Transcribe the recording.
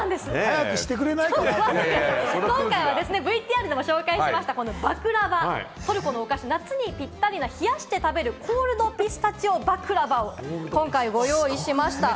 今回はＶＴＲでも紹介しましたバクラヴァ、夏にぴったりな、冷やして食べるコールドピスタチオバクラヴァをご用意しました。